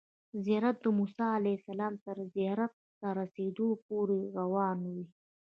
زیارت د موسی علیه السلام تر زیارت ته رسیدو پورې روان وي.